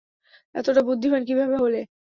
এতটা বুদ্ধিমান কীভাবে হলে?